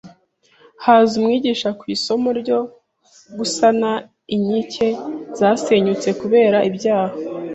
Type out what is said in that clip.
haza umwigisha ku isomo ryo gusana inkike zasenyutse kubera ibyaha.